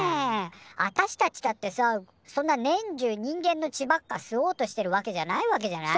あたしたちだってさそんな年中人間の血ばっか吸おうとしているわけじゃないわけじゃない。